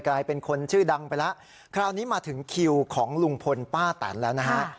กลายเป็นคนชื่อดังไปแล้วคราวนี้มาถึงคิวของลุงพลป้าแตนแล้วนะฮะ